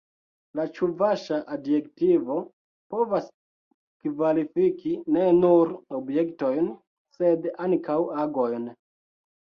La ĉuvaŝa adjektivo povas kvalifiki ne nur objektojn sed ankaŭ agojn.